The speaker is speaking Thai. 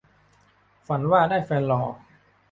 ฝันว่าได้แฟนหล่อ